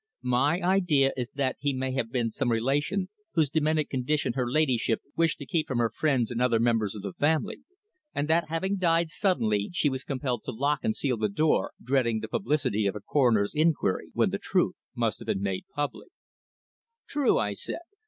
My idea is that he may have been some relation whose demented condition her ladyship wished to keep from her friends and other members of the family, and that having died suddenly she was compelled to lock and seal the door, dreading the publicity of a coroner's inquiry, when the truth must have been made public." "True," I said.